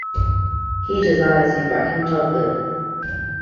He desires you back in Dublin.